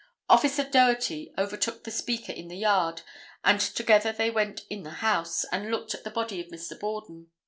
Officer Doherty overtook the speaker in the yard, and together they went in the house, and looked at the body of Mr. Borden.